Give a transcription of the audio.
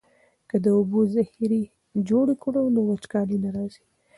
که د اوبو ذخیرې جوړې کړو نو وچکالي نه راځي.